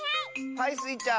はいスイちゃん。